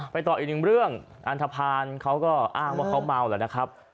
ต่ออีกหนึ่งเรื่องอันทภาณเขาก็อ้างว่าเขาเมาแล้วนะครับ